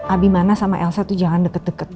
abimana sama elsa tuh jangan deket deket